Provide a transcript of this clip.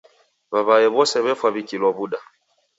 W'aw'ae w'ose w'efwa w'ikilwa w'uda.